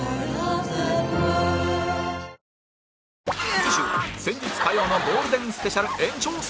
次週は先日火曜のゴールデンスペシャル延長戦